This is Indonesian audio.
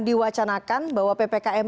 diwacanakan bahwa ppkm